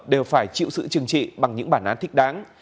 đều phải chịu sự trừng trị bằng những bản án thích đáng